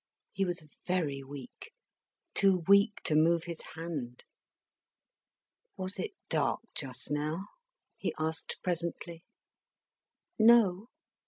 He was very weak, too weak to move his hand. "Was it dark just now?" he asked presently. "No."